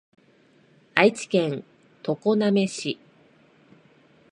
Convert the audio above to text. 愛知県常滑市